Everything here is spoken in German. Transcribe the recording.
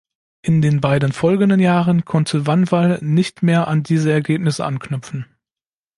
In den beiden folgenden Jahren konnte Vanwall nicht mehr an diese Ergebnisse anknüpfen.